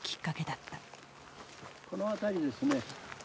この辺りですね。